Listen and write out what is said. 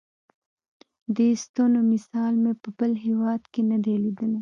دې ستنو مثال مې په بل هېواد کې نه دی لیدلی.